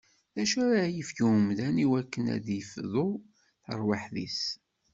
D acu ara yefk umdan iwakken ad d-ifdu tarwiḥt-is?